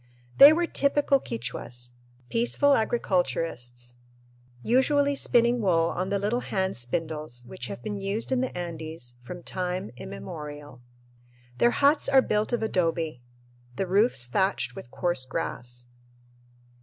They were typical Quichuas peaceful agriculturists usually spinning wool on the little hand spindles which have been used in the Andes from time immemorial. Their huts are built of adobe, the roofs thatched with coarse grass.